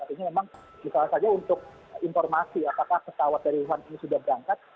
artinya memang misalnya saja untuk informasi apakah pesawat dari wuhan ini sudah berangkat